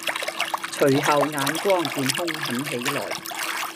隨後眼光便凶狠起來，